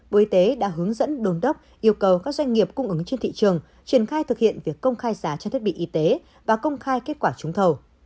bộ y tế đã hướng dẫn đồn đốc yêu cầu các doanh nghiệp cung ứng trên thị trường triển khai thực hiện việc công khai giá trên thiết bị y tế và công khai kết quả trúng thầu